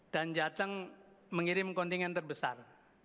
dan jateng mengirim kontingen terbesar